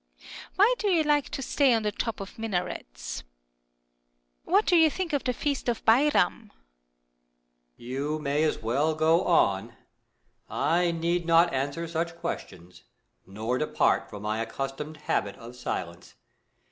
Why do you like to stay on the tops of minarets ? What do you think of the feast of Bairam ? 3foon. You may as well go on. I need not answer such questions, nor depart from my accustomed habit of silence.